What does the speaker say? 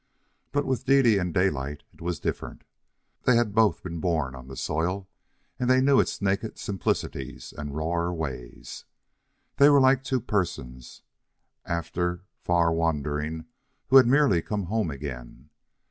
But with Dede and Daylight it was different. They had both been born on the soil, and they knew its naked simplicities and rawer ways. They were like two persons, after far wandering, who had merely come home again.